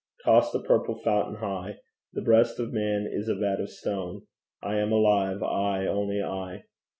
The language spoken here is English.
Toss the purple fountain high! The breast of man is a vat of stone; I am alive, I, only I!